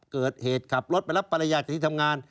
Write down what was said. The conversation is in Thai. เกิดเหตุขับรถไปรับภรรยาที่ทำงาน